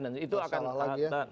kalau salah lagi ya